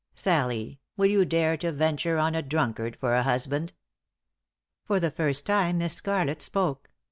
Sallie, will you dare to venture on a drunkard for a husband 7 " For the first time Miss Scarlett spoke.